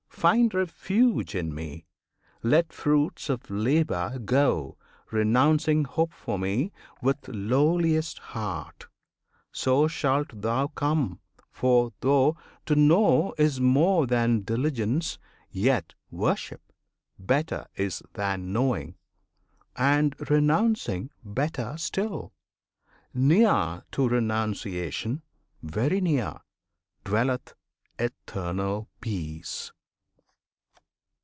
find Refuge in Me! let fruits of labour go, Renouncing hope for Me, with lowliest heart, So shalt thou come; for, though to know is more Than diligence, yet worship better is Than knowing, and renouncing better still. Near to renunciation very near Dwelleth Eternal Peace!